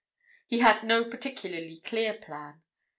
He had no particularly clear plan.